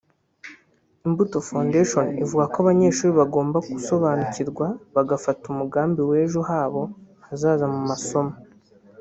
Imbuto Foundation ivuga ko abanyeshuri bagomba gusobanukirwa bagafata umugambi w’ejo habo hazaza mu masomo